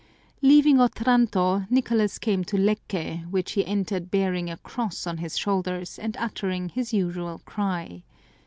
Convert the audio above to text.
Leaving Otranto, Nicolas came to Lecce, which he entered bearing a cross on his shoulders, and uttering his usual cry.